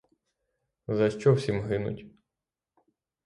За що всім гинуть?